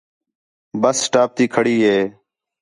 بس سٹاپ تی کھڑی ہے